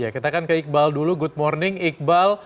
kita akan ke iqbal dulu good morning iqbal